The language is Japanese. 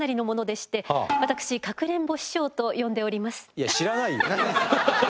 いや知らないよ。